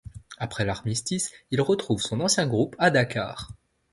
Après l'armistice, il retrouve son ancien groupe à Dakar.